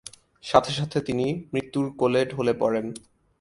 সাথে সাথে তিনি মৃত্যুর কোলে ঢলে পড়েন।